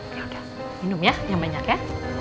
oke minum ya yang banyak ya